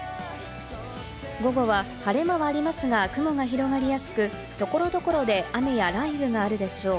午後は晴れ間はありますが、雲が広がりやすく、所々で雨や雷雨があるでしょう。